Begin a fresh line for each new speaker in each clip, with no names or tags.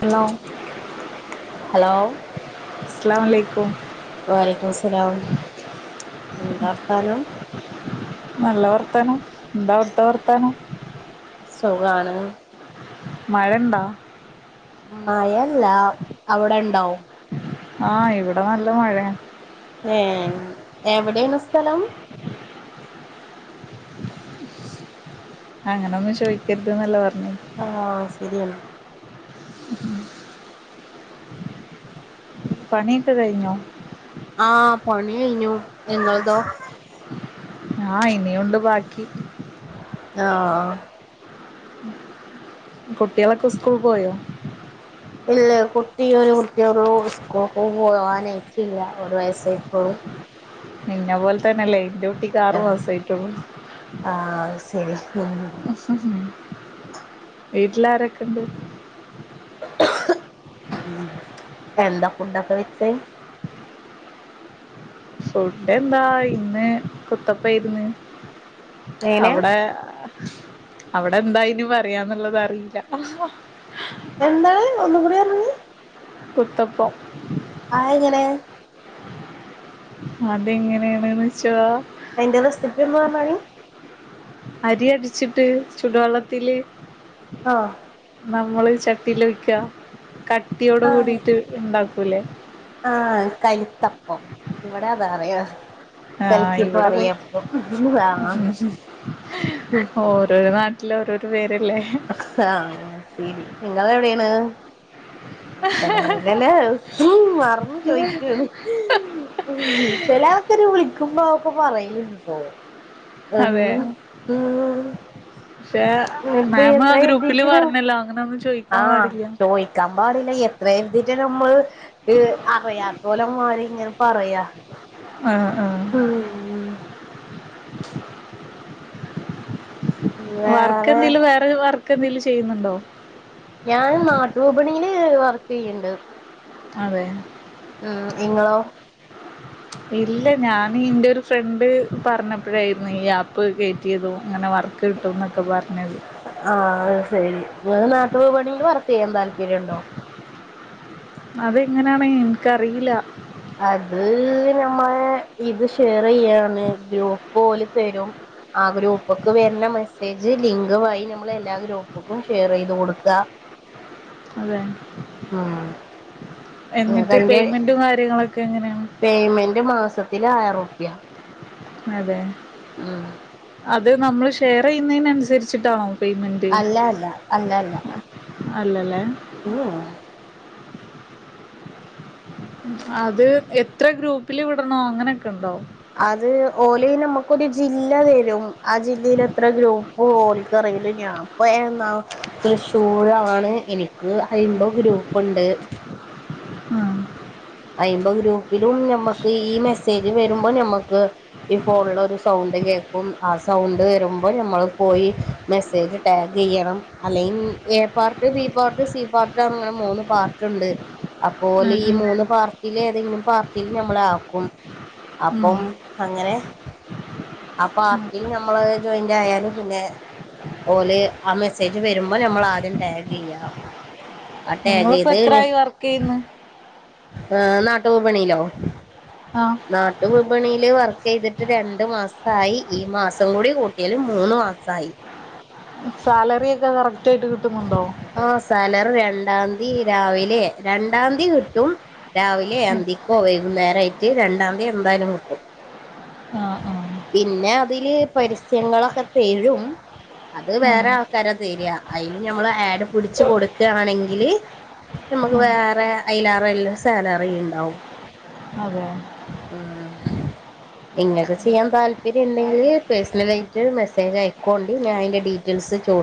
Hello
hello
അസ്സലാമലൈക്കും
വാലൈക്കും അസ്ലാം എന്താർതാനം
നല്ല വർത്താനം. എന്താവിടുത്തെ വർത്താനം.
സുഖാണ്.
മഴണ്ടോ?
മയല്ല അവിടെ ഉണ്ടാവും.
ആ ഇവിടെ നല്ല മഴയ
ഏ എവിടെണ് സ്ഥലം.
അങ്ങനൊന്നും ചോദിക്കരുത് ന്നല്ലേ പറഞ്ഞ്
ആ ശരിയാണ്.
പണിയൊക്കെ കഴിഞ്ഞോ.
ആ പണികയിഞ്ഞു നിങ്ങളതോ?
ആഹ് ഇനിയുണ്ട് ബാക്കി.
ആ
കുട്ടികളൊക്കെ സ്കൂൾ പോയോ.
ഇല്ല കുട്ടി. ഒരു കുട്ടിയൊള്ളു സ്കൂളികൊന്നും പോവാനായിട്ടില്ല, ഒരു വയസായിട്ടോള്ളൂ
ഇന്നെ പോലെ തന്നെല്ലേ. ഇന്റെക്കുട്ടിക്ക് ആറ്
ആ
മാസായിട്ടുള്ളൂ.
ആ ശരി ഉം
വീട്ടില് ആരൊക്കെ ഇണ്ട്.
എന്താ ഫുഡൊക്കെ വെച്ച്.
ഫുഡ് എന്താ ഇന്ന് കുത്തപ്പായിര്ന്ന്
എങ്ങനെ
അവിടെ അവിടെ എന്താ അയിന് പറയാന്നുള്ളത് അറിയില്ല
എന്താണ് ഒന്നുകുടെ [unintelligible]
കുത്തപ്പം.
ആ എങ്ങനെ?
അതെങ്ങനെയാണ് ന്ന് വെച്ചാ.
അതിന്റെ റെസിപ്പി ഒന്നു പറഞ്ഞാണി.
അരി അടിച്ചിട്ട് ചൂടുവെള്ളത്തില്
ആ
നമ്മള് ചട്ടീല് ഒയിക്ക കട്ടിയോടെ
ആ
കൂടിട്ട് ഇണ്ടാക്കൂലേ?
തപ്പം ഇവിടെ അതാ പറയാ.
ആ
കലക്കിയപ്പം
ഇവിടെപ്പൊ
അറിയപ്പം ആഹ്
ഓരോ ഓരോ നാട്ടി ല്ല ഓരോരോ വേ
ആ ശരി നിങ്ങളെവിടേണ്? [unintelligible] ഉം മറന്ന് ചോയിക്കാണ് ചെല കൊറേ ആൾക്കാര് വിളിക്കുമ്പോ ഇക്ക പറയലുണ്ട്ട്ടോ ഉം
അതെ
ഉം
പക്ഷെ
ഇപ്പൊ
മാം ആ
എത്ര
ഗ്രൂപ്പില്
എഴുതിട്ട
പറഞ്ഞല്ലോ അങ്ങനൊന്നും
ആ
ചോയിക്കാൻ പാടില്ല
ചോദിക്കാൻ പാടില്ല എത്ര എഴുതീട്ട് നമ്മള് അറിയാത്ത പോലെ മാറി ഇങ്ങനെ പറയാ
ആ
ഉം ഉം
വർക്ക്
വേറെ
എന്തേലും വേറെ വർക്ക് എന്തേലും ചെയ്യുന്നുണ്ടോ?
ഞാൻ നാട്ടു വിപണിയില് വർക്ക് ചെയ്യ്ണ്ട്
അതേ
ഉം ഇങ്ങളോ?
ഇല്ല ഞാന് ഇന്റെ ഒരു ഫ്രണ്ട് പറഞ്ഞപ്പോഴായിരുന്നു ഈ! ! ! ! ! കേറ്റ്യേത് അങ്ങനെ വർക്ക് കിട്ടും എന്നൊക്കെ പറഞ്ഞത്
ആഹ് അത് ശരി നാട്ടുവിപണിയില് വർക്ക് ചെയ്യാൻ താല്പര്യം ഒണ്ടോ?
അതെങ്ങനെ ആണ് എനിക്കറിയില്ല
അത് നമ്മ ഇത് ഷെയറ് ചെയ്യാണ് ഗ്രൂപ്പ് പോലെ തരും ആ ഗ്രൂപ്പക്ക് വരുന്ന മെസ്സേജ് ലിങ്ക് വഴി നമ്മള് എല്ലാ ഗ്രൂപ്പുക്കും ഷെയറ് ചെയ്ത് കൊടുക്കാ
അതെ
ഉം
എന്നിട്ട് പെയ്മെന്റും കാര്യങ്ങളൊക്കെ എങ്ങെനാ?
പെയ്മെന്റ് മാസത്തില് ആയിര്പ്യ
അതെ
ഉം
അത് നമ്മൾ ഷെയറ് ചെയ്യുന്നതിനനുസരിച്ചിട്ടാണോ പെയ്മെന്റ്
അല്ല അല്ല അല്ല അല്ല
അല്ലല്ലേ?
ഉം
അത് എത്ര ഗ്രൂപ്പില് വിടണം അങ്ങനൊക്കെ ഒണ്ടോ?
അത് ഓല് നമുക്കൊരു ജില്ല ആ ജില്ലേല് എത്ര ഗ്രൂപ്പ് പോലിക്കറില്ല [unintelligible] ഞാൻപ്പാ തൃശ്ശൂർ ആണ് എനിക്ക് അയിന്റെ ഗ്രൂപ്പുണ്ട്
ഉം
അയിൻ്റെ ഗ്രൂ ഒരിക്കലും ഞമ്മക്ക് ഈ മെസ്സേജ് വരുമ്പോൾ ഞമ്മക്ക് ഈ ഫോണില് ഒരു സൗണ്ട് കേക്കാ ആ സൗണ്ട് വരുമ്പോൾ നമ്മള് പോയി മെസേജ് ടാഗ് ചെയ്യണം അല്ലെങ്കില് A part B part C part അങ്ങനെ മൂന്ന് പാർട്ട് ഇണ്ട് അപ്പോലെ
ഉം
ഈ
ഉം
മൂന്ന് പാർട്ടില് ഏതെങ്കിലും പാർട്ടില് ഞമ്മളെ ആക്കും
ഉം.
അപ്പം അങ്ങനെ ആ പാർട്ടിൽ നമ്മള് ജോയിന്റ് ആയാല് പിന്നെ ഓല് ആ മെസ്സേജ് വരുമ്പോ നമ്മള് ആദ്യം ടാഗെയ്യാ ആ
നിങ്ങളിപ്പോ
ടാഗെയ്ത്
എത്രായി വർക്ക് ചെയ്യുന്ന്?
നാട്ടുവിപണിയിലോ?
ആഹ്.
നാട്ടു വിപണിയില് വർക്കെയ്തിട്ട് രണ്ടു മാസം സായി ഈ മാസം കൂടി കൂട്ടിയാല് മൂന്ന് മാസായി
സാലറി ഒക്കെ കറക്
ആ സാലറി രണ്ടാന്തി രാവിലെ രണ്ടാന്തി കിട്ടും രാവിലെ
ആഹ്
അന്തിക്കോ വൈകുന്നേരായിട്ട് രണ്ടാന്തി എന്തായാലും കിട്ടും
ആഹ്.
പിന്നെ അതില് പരസ്യങ്ങളൊക്കെ തെരും അത് വേറെ
ഉം
ആൾക്കാരാ തെര്യാ നമ്മള്ആട് പിടിച്ച് കൊടുക്കാണെങ്കില് നമുക്ക്
ഉം.
വേറെ അയില് എ സാലറി ഉണ്ടാവും
അതെ
ഉം ഇങ്ങൊക്കെ ചെയ്യാൻ താല്പര്ം പിന്നെ ഉണ്ടെങ്കിൽ പേഴ്സണല ആയിട്ട് മെസ്സേജ് ആയിക്കോണ്ട് ഞാൻ അതിൻ്റെ ഡീറ്റെയിൽസ് ച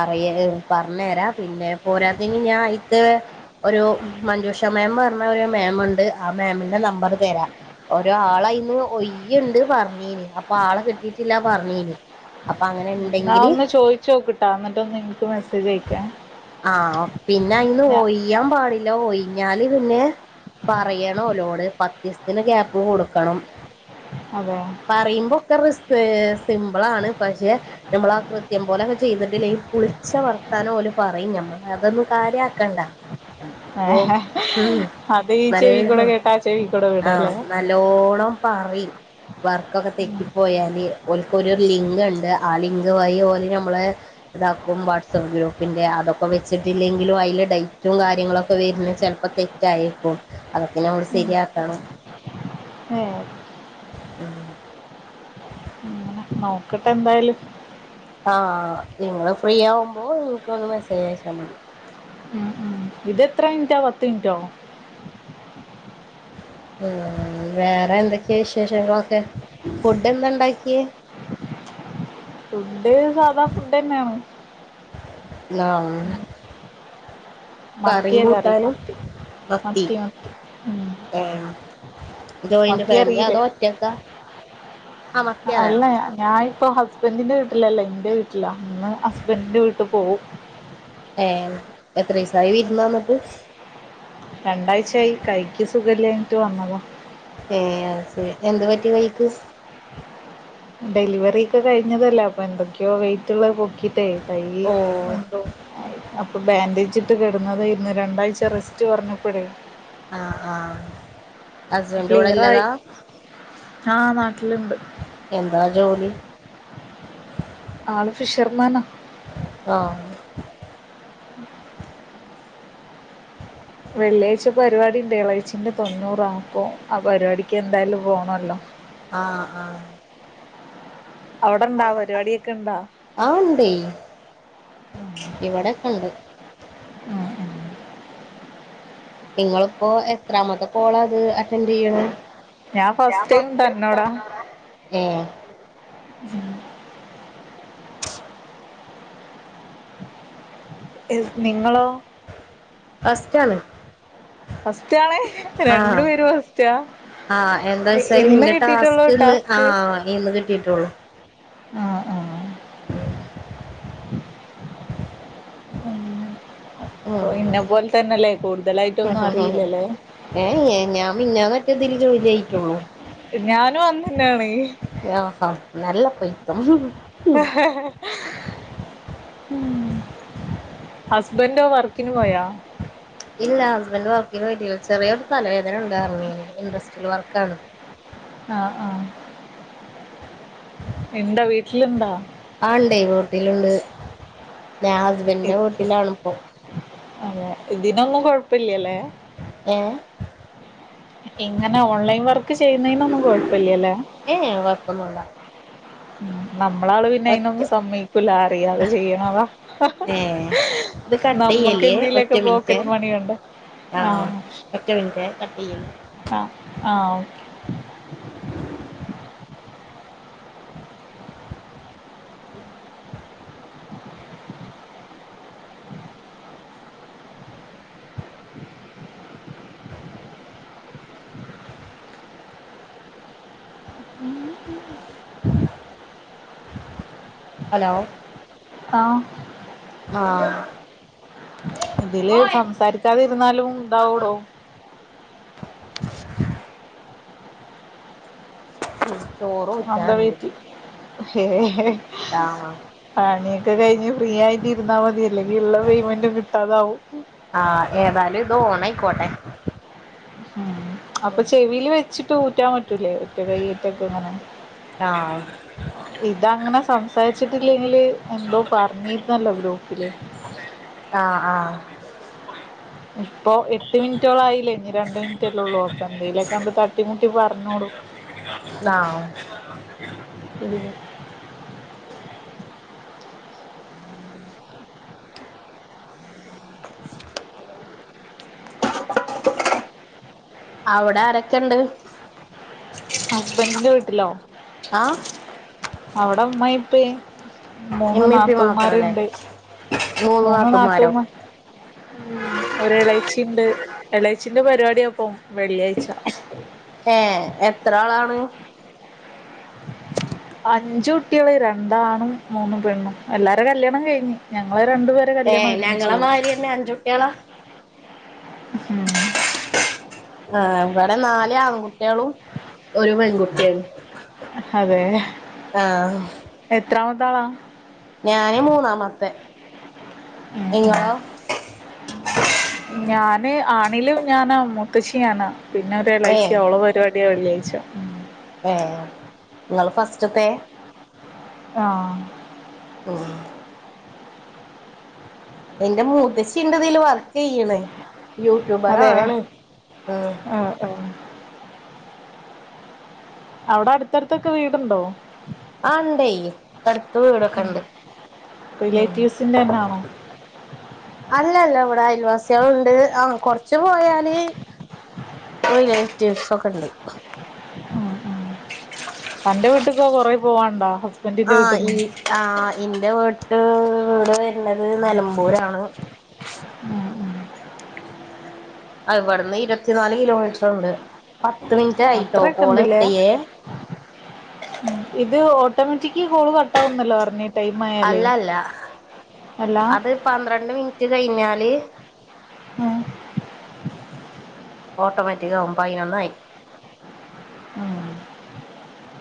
അറിയാ പർഞ്ഞേരാ പിന്നെ പോരാത്തീന് ഞാൻ അയ് ത്തെ ഒരു മഞ്ജുഷാ മാം പറഞ്ഞ ഒരു മാമുണ്ട് ആ മാമിന്റെ നമ്പറ്തരാ ഒരു ആളയിന്ന് ഒയ്യുണ്ട് പറഞ്ഞീന് അപ്പൊ ആളെ കിട്ടീറ്റില്ല പറഞ്ഞീന് അങ്ങനെ
എന്നാ
ഇണ്ടെങ്കില്
ഒന്ന് ചോയിചോക്ക്ട്ടാ എന്നിട്ട് ഒന്നിൻക്ക് മെസ്സേജ് അയക്കേ
ആ പിന്നെ അയിന്ന്
ഞാ
ഒയ്യാൻ പാടില്ല ഒയി ഞ്ഞാല് പിന്നെ പറയണം ഓലോട് പത്തിസ്ത്തിന് ഗ്യാപ്പ് കൊടുക്കണം
അതെ.
പറയുമ്പോ ഒക്കെ റിസ് ഏ സിമ്പിൾ ആണ് പക്ഷേ നമ്മളാ കൃത്യം പോലൊക്കെ ചെയ്തിട്ട്ല്ലേ പുളിച്ച വർത്താനം ഓല് പറയും നമ്മളെ അതൊന്നും കാര്യാക്കണ്ടാ ഞമ്മക്ക് ഇപ്പൊ ഉം.
അത് ഈ ചെവി കൂടെ
നല്ലഹോം
കേട്ടാ ആ ചെവി കൂടെ
ആ
വിടല്ലേ
നല്ലോണം പറിം വർക്കൊക്കെ തെറ്റിപ്പോയാല് ഓൽക്ക് ഒരു ലിങ്ക്ണ്ട് ആ ലിങ്ക് വഴി ഓല് നമ്മളെ ഇതാക്കും വാട്സപ്പ് ഗ്രൂപ്പിന്റെ അതൊക്കെ വെച്ചിട്ടില്ലെങ്കിലും അയ്ല് ഡൈറ്റും കാര്യങ്ങളൊക്കെ വര്ന്നത് ചെലപ്പോ തെറ്റായേക്കും അതൊക്കെ നമ്മള് ശരിയാക്കണം
ഏ
ഉം
അങ്ങനെ നോക്കട്ടെ എന്തായാലും
ആ നിങ്ങള് ഫ്രീ ആവുമ്പോ ഇൻക്കൊന്ന് മെസ്സേജ് അയച്ചാൽ മതി
ഉം ഉം ഇതെത്ര മിൻറ്റാ പത്ത് മിൻറ്റോ
ഉം വേറെ എന്തൊക്കെയാ വിശേഷങ്ങളൊക്കെ ഫുഡ് എന്താ ഉണ്ടാക്കിയേ
ഫുഡ് സാധാ ഫുഡ്ന്നേണ്
നാം കറിം
മത്തിയ കറി
കൂട്ടാനും
മത്തി
മത്തി ഓം ജോയിന്റ്
മത്തി
ഫാമിലി
അറിയില്ലേ
അതോ ഒറ്റക്കാ ആഹ് മത്തി അറിയാം
അല്ല ഞൻ ഇപ്പൊ ഹസ്ബന്റിന്റെ വീട്ടിലല്ല ഇന്റെ വീട്ടിലാ ഇന്ന് ഹസ്ബൻഡിന്റെ വീട്ട്പോവും
എത്രീസായി വിരുന്ന് വന്നിട്ട്
സുഖല്ല്യാഞ്ഞിട്ട് വന്നതാ
ഏ അത്ശരി എന്ത് പറ്റി കയ്യ്ക്ക്
ഡെലിവറി ഒക്കെ കഴിഞ്ഞതല്ലേ അപ്പൊ എന്തൊക്കെയോ വെയിറ്റ്ള്ളത് പൊക്കിട്ടേ കയ്യ്
ഓഹ്
എന്തോ ആയി അപ്പൊ ബാൻഡേജ് ഇട്ട് കെടന്നതേര്ന്ന് രണ്ടാഴ്ച റെസ്റ്റ് പറഞ്ഞപ്പഴേ
ആ ആ
ഇപ്പൊ
ഹസ്ബന്റ്
ക്ലിയറായി
വടെല്ലതാ
ആ നാട്ടിലുണ്ട്
എന്താ ജോലി
ആള് ഫിഷർമാനാ
ആ
വെള്ളിയാഴ്ച പരിപാടിണ്ട് ഇളെച്ചിന്റെ തൊണ്ണൂറാ അപ്പോ ആ പരിപാടിക്ക് എന്തായാലും പോണല്ലോ
ആ ആഹ്
അവിടെ ഇണ്ടാ പരിപാടിയൊക്കെ ഇണ്ടാ
ആ ഉണ്ടേയ് ഇവിടെക്കണ്ട്
ഉം ഉം.
നിങ്ങളിപ്പോ എത്രാമത്തെ കോളാ ഇത് അറ്റൻഡ് ചെയ്യ്ണ് ഞാൻ ഫസ്റ്റ് [unintelligible] ഏ
ഉം നിങ്ങളോ
ഫസ്റ്റാണ്
ഫസ്റ്റ് ആണേ രണ്ടു
ആഹ്
പേരും ഫസ്റ്റാ
ആഹ് എന്താ വച്ചാല്
ഇന്ന്
ഇന്റെ
കിട്ടിയിട്ടുള്ളൂ
ടാസ്ക്ന്ന് ആ
ടാസ്ക്
ഇന്ന് കിട്ടിയിട്ടുള്ളു
ആ ആ
ഉം
[inaudible] ഓ ഇന്നെ
ഉം
പോൽതന്നെല്ലേ കൂടുതലായിട്ടൊന്നും അറിയില്ലലേ
മിഞാനാ മറ്റേതില് ജോയിൻ ആയിട്ടുള്ളൂ
ഞാനും അന്നന്നെനാണേ
ആഹാ നല്ല പൊയിത്തം
ഹ് ഹ് ഹ് ഹൂം ഹസ്ബൻറ ക്ക വർക്കിന് പോയാ
ഇക്ക വർക്കിന് പോയിട്ടില്ലാ ചെറിയൊരു തലവേദന ഉണ്ടായിരുന്നുങ്ങനെ ഇൻഡ്രസ്ട്രിയൽ വർക്കാണ്
ആഹ ആഹ ഇൻ്റെ വീട്ടിലുണ്ടാ
ആഹ് ഇണ്ടേ വീട്ടിലുണ്ട് ഞാൻ
ഇത്
ഹസ്ബൻഡിന്റെ വീട്ടിലാണിപ്പോ
അതെ ഇതിനൊന്നും കൊഴപ്പില്ലല്ലേ
ഏ
ഇങ്ങനെ ഓൺലൈൻ വർക്ക് ചെയ്യുന്നതിനൊന്നും കൊഴപ്പില്ലല്ലേ
ഏഹ് കൊഴപ്പൊന്നുല്ല
ഉ നമ്മള ആള് പിന്നെ
ഒറ്റ
അയിനൊന്നും സമ്മയിക്കൂല അറിയാതെ ചെയ്യണതാ
ഏഹ് ഇത് കട്ട്
നമ്മക്ക് എന്തേലൊക്കെ പോക്കറ്റ് മണി ഉണ്ട്
ആ ഒററ മിനിറ്റ്
ആ ആ ഓക്കെ [unintelligible] ഉം
ഹലോ
താ
ആ
ഇതില് സംസാരിക്കാതിരുന്നാലും ഇതാവൂടോ
ചോറ്
സ്വന്തം
വക്കാന്ണ്ട്
വീട്ടി ഹേ ഹേ
ആഹ്
ഒക്കെ കഴിഞ്ഞ് ഫ്രീ ആയിട്ട് ഇരുന്നാൽ മതിയല്ലെങ്കിൽ ഉള്ള പേയ്മെന്റും കിട്ടാതാവും
ആ ഏതായാലും ഓ കോട്ടെ
ആം അപ്പൊ ചെവില് വെച്ചിട്ട് ഊറ്റാൻ പറ്റൂലേ ഒറ്റ കൈയീറ്റൊക്കെ എങ്ങനെ
ആഹ്
ഇതങ്ങനെ സം സരിച്ചിട്ടില്ലെങ്കില് എന്തോ പറഞ്ഞിരുന്നല്ലോ ഗ്രൂപ്പില്
ആഹ് ആഹ്
ഇപ്പൊ എട്ട് മിനിറ്റോളം ആയില്ലേ ഇനി രണ്ട മിനിറ്റല്ലേ ഉള്ളൂ അപ്പ എന്തെങ്കലൊക്കെണ്ട് തട്ടിമുട്ടി പറഞ്ഞൂട്
വൗ
ഇടിഞ്ഞ്
[unintelligible] അവിടെ ആരൊക്കെ ഇണ്ട്
ഹസ്ബൻറീൻറ വീട്ടിലോ
ആഹ്
അവിടെ ഉമ്മ ഇപ്പ മൂന്ന്
ഇമ്മീം ഇപ്പീം മാത്രല്ലേ
നാത്തൂമാരുണ്ട് മൂന്ന് നാത്തൂമാർ ഉം ഒരു ഇളേച്ചിണ്ട് ഇളേച്ചിന്റെ പരിപാടിയപ്പം വെള്ളിയാഴ്ച
ഏ എത്ര ആളാണ്
അഞ്ചു കുട്ടികള് രണ്ടാണും മൂന്നും പെണ്ണും എല്ലാരും കല്യാണം കഴിഞ്ഞ് ഞ അവെ രണ്ടുപേരെ കല്യാണം
ഏഹ്
ഒര്മിച്
ഞങ്ങളെ
കയിഞ്ഞു
മാരിന്നെ അഞ്ചുട്ട്യാളാ
ഉ
ആഹ ഇവിടെ നാല് ആൺകുട്ടികളും ഒരു പെൺകുട്ടിം
അതെ എത്രാമത്താളാ?
ഞാന് മൂന്നാമത്തെ
ഉം ഉം
നിങ്ങളോ?
ഞാന് ആണിലും ഞാനാ മൂത്തച്ചി ഞാനാ. പിന്നെ ഒരു
ഏ
എളേച്ചി അവള പരിപാടിയാവുലേ ച്ച ഉം
ഏ നിങ്ങൾ ഫസ്റ്റ്ത്തെ ചോദ്യചിഹ്നം
ആ
[unintelligible] ഇന്റെ മൂത്തച്ചിണ്ട്തിൽ വർക്ക് ചെയ്ൺ. യൂട്യൂബറ
അതെ
ആണ്. അ
ആഹ് ആഹ് അവിടെ അടുത്തടുത്തൊക്കെ വീടുണ്ടോ ചോദ്യചിഹ്നം
ആണ്ടെ അടുത്ത് വീടൊക്കെ ഇണ്ട്. ഉം.
റിലേറ്റീവ്സിന്റെ തന്നാണോ
അല്ലല്ല ഇവിടെ അയൽവാസികളുണ്ട്. ആഹ് കൊറച്ച് പോയാൽ [unintelligible] ടിപ്സ് ഒക്കെ ഇണ്ട്.
ഉം ഉം അന്റെ വിട്ട്ക്കോ കൊറ പോവാണ്ടാ
ആ് ഈ ആ ഇന്റെ വീട്ട് ഇവ്ടെ [unintelligible] [unintelligible] നലമ്പൂരാണ്.
ഉം ഉം
ആ വിടുന്ന് ഇരുപത്തിനാല് കിലോമീറ്ററുണ്ട്. പത്ത് മിനിറ്റ് ആയിട്ടോ
അത്രൊക്കെ
കോൾ
ഇണ്ട്ല്ലേ
കട്ടയേ
ഓട്ടോമാറ്റിക്കെ ഈ കോൾ കട്ടാവുന്നല്ലെ പറഞ്ഞെ
അല്ല അല്ല
അല്ല
അത് പന്ത്രണ്ട് മിനിറ്റ് കഴിഞ്ഞാൽ
[unintelligible]
ഓട്ടോമാറ്റിക് ആവും പഴിനൊന്നായി.
[unintelligible]